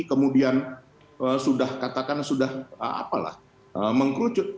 kemudian sudah katakan sudah mengkerucut